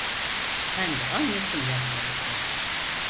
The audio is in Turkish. Sen de aynısını yapmalısın.